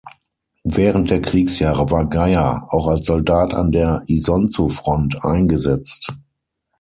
Während der Kriegsjahre war Geyer auch als Soldat an der Isonzofront eingesetzt.